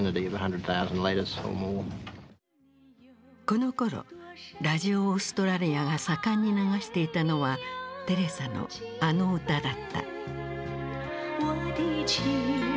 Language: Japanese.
このころラジオ・オーストラリアが盛んに流していたのはテレサのあの歌だった。